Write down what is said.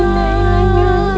maafkan aku ibunya